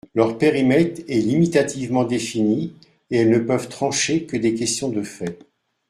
Leur périmètre est limitativement défini et elles ne peuvent trancher que des questions de fait.